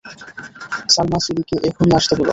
সালমা, সিরিকে এখনই আসতে বলো।